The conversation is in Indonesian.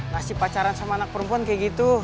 nasib pacaran sama anak perempuan kayak gitu